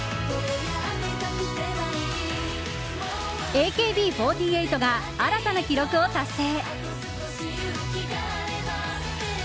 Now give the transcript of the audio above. ＡＫＢ４８が新たな記録を達成！